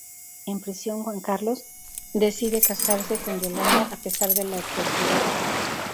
En prisión, "Juan Carlos" decide casarse con "Yolanda" a pesar de la adversidad.